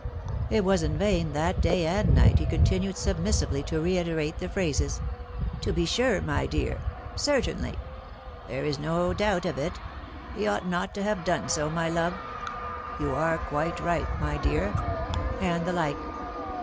It was in vain that day and night he continued submissively to reiterate the phrases, " to be sure, my dear," ....« cer tainly," ...." there is no doubt of it," ...." he ought not to have done so, my love," .... "you are, quite right, my dear/' .... and the like.